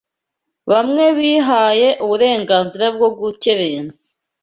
Bamwe bihaye uburenganzira bwo gukerensa